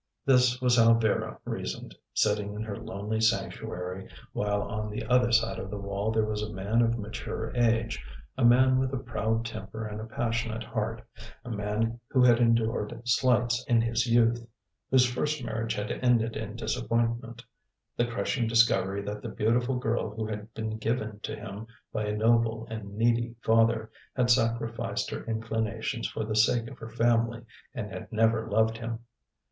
This was how Vera reasoned, sitting in her lonely sanctuary, while on the other side of the wall there was a man of mature age, a man with a proud temper and a passionate heart, a man who had endured slights in his youth, whose first marriage had ended in disappointment, the crushing discovery that the beautiful girl who had been given to him by a noble and needy father had sacrificed her inclinations for the sake of her family, and had never loved him.